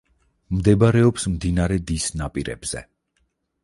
მდებარეობს მდინარე დის ნაპირებზე.